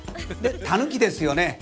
でたぬきですよね。